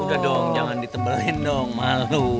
udah dong jangan ditebelin dong malu